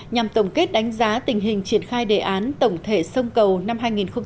nhằm tổng kết đánh giá tình hình triển khai đề án tổng thể sông cầu năm hai nghìn hai mươi